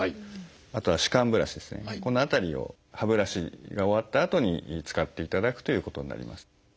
この辺りを歯ブラシが終わったあとに使っていただくということになります。